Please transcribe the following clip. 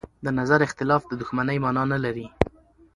د نظر اختلاف د دښمنۍ مانا نه لري